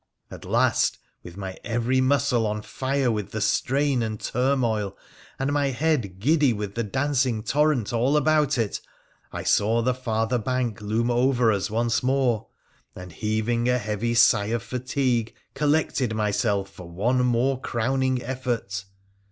At last, with my every muscle on fire with the strain and turmoil, and my head giddy with the dancing torrent all about it, I saw the farther bank loom over us once more, and, heaving a heavy sigh of fatigue, collected myself for one more crowning effort.